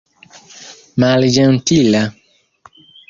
malĝentila